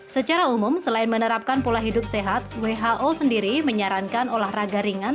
secara umum selain menerapkan pola hidup sehat who sendiri menyarankan olahraga ringan